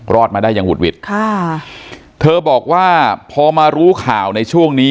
รอดมาได้อย่างหุดหวิดค่ะเธอบอกว่าพอมารู้ข่าวในช่วงนี้